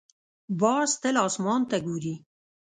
باز تل اسمان ته ګوري